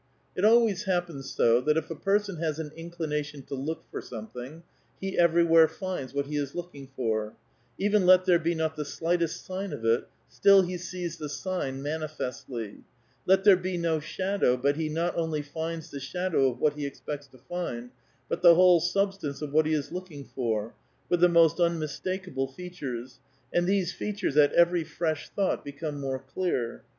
It always happens so that if a person has an inclination 'tx) look for something, he everywhere finds what he is look ing for ; even let there be not the slightest sign of it, still Xie sees the sign manifestly ; let there be no shadow, but he :xiot only finds the shadow of what he expects to find, but the "%rhole substance of what he is looking for, with the most un xnistakable features, and these features at every fresh thought Ibecome more clear.